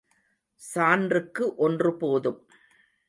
சான்றுக்கு ஒன்று போதும்.